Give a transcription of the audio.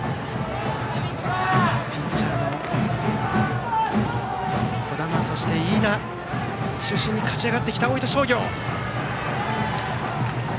ピッチャーの児玉そして飯田中心に勝ち上がってきた大分商業。